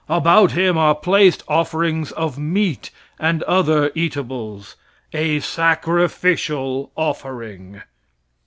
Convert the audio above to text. About him are placed offerings of meat, and other eatables a sacrificial offering."